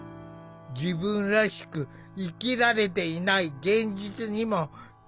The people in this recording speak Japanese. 自分らしく生きられていない現実にも気付かされた。